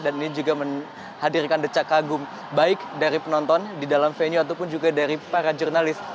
dan ini juga menghadirkan decak kagum baik dari penonton di dalam venue ataupun juga dari para jurnalis